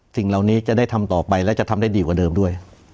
สิ่งเหล่านี้จะได้ทำต่อไปและจะทำได้ดีกว่าเดิมด้วย